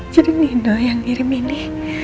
jadi nina yang ngirim ini